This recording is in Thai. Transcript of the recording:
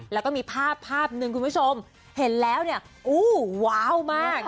แล้วก็มีภาบหนึ่งคุณผู้ชมเห็นแล้วอู้วววววววาววววมากนะ